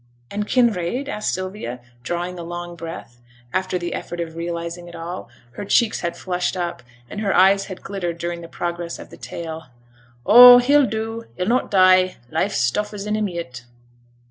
'And Kinraid?' said Sylvia, drawing a long breath, after the effort of realizing it all; her cheeks had flushed up, and her eyes had glittered during the progress of the tale. 'Oh! he'll do. He'll not die. Life's stuff is in him yet.'